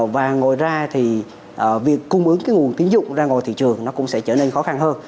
và ngoài ra thì việc cung ứng cái nguồn tiến dụng ra ngoài thị trường nó cũng sẽ trở nên khó khăn hơn